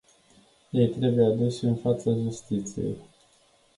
Ei trebuie aduși în fața justiției.